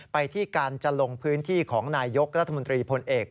ไปที่การจะลงพื้นที่ของนายยกรัฐมนตรีพลเอก